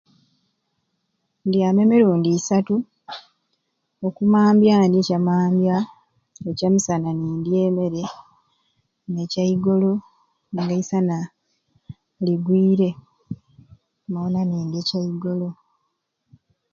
Ndyamu emirundi isaatu, okumambya ndya ekyamambya, ekyamisana ndya emeere nekyaigolo nga eisana ligwiire mwona nindya ekyaigolo.